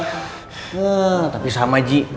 nah tapi sama ji